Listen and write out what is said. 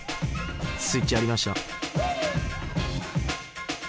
スイッチ入りました。